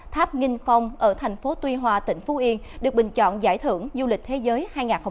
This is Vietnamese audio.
tháp nginh phong ở thành phố tuy hòa tỉnh phú yên được bình chọn giải thưởng du lịch thế giới hai nghìn hai mươi bốn